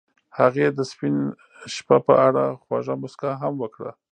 هغې د سپین شپه په اړه خوږه موسکا هم وکړه.